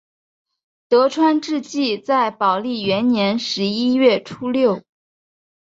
德川治济在宝历元年十一月初六。